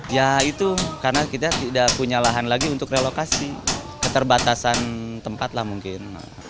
ya itu karena kita tidak punya lahan lagi untuk relokasi keterbatasan tempat lah mungkin